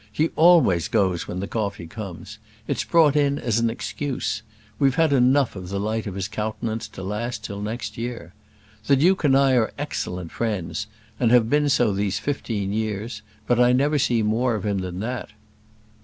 He always goes when the coffee comes. It's brought in as an excuse. We've had enough of the light of his countenance to last till next year. The duke and I are excellent friends; and have been so these fifteen years; but I never see more of him than that."